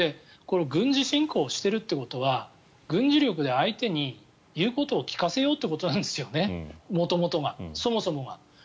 軍事侵攻しているということは軍事力で相手に言うことを聞かせようということなんですよねそもそもが。